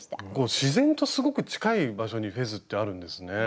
自然とすごく近い場所にフェズってあるんですね。